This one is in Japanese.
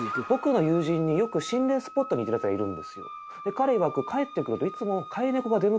彼いわく帰ってくるといつも。